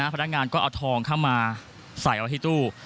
พนักงานก็เอาทองเข้ามาใส่เอาไว้ที่ตู้